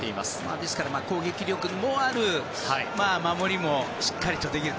ですから攻撃力もあり守りもしっかりできると。